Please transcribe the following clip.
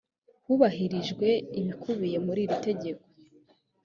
hubahirijwe ibikubiye muri iri tegeko